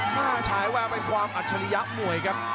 ฉายแววไปความอัจฉริยะมวยครับ